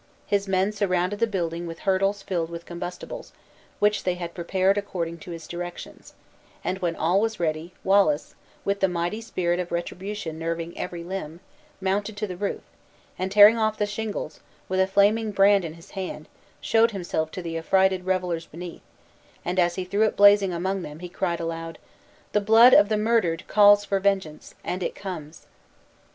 His men surrounded the building with hurdles filled with combustibles, which they had prepared according to his directions; and, when all was ready, Wallace, with the mighty spirit of retribution nerving every limb, mounted to the roof, and tearing off the shingles, with a flaming brand in his hand, showed himself to the affrighted revelers beneath; and, as he threw it blazing among them, he cried aloud, "The blood of the murdered calls for vengeance, and it comes."